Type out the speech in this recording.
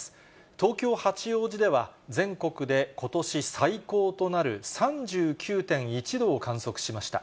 東京・八王子では、全国でことし最高となる３９．１度を観測しました。